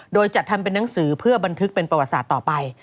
โดยจัดทำเป็นนังสือเพื่อบันทึกเป็นประวัติศาสตร์ต่อไป